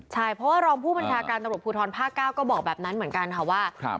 ใช่เพราะว่ารองผู้บัญชาการตำรวจภูทรภาค๙ก็บอกแบบนั้นเหมือนกันค่ะว่า